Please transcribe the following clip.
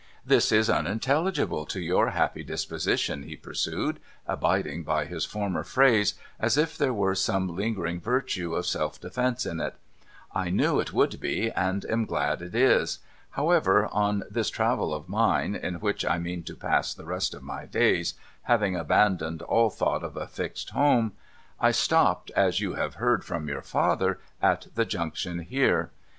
This is unintelligible to your happy dispos ition,' he pursued, abiding by his former phrase as if there were some lingering virtue of self defence in it. ' I knew it would be, and am glad it is. However, on this travel of mine (in which I mean to pass the rest of my days, having abandoned all thought of a fixed home), I stopped, as you have heard from your father, at the Junction here.